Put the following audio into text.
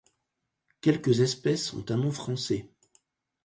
Quelques espèces ont un nom français.